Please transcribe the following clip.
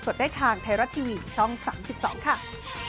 โปรดติดตามตอนต่อไป